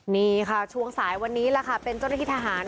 นี่ค่ะช่วงสายวันนี้ล่ะค่ะเป็นเจ้าหน้าที่ทหาร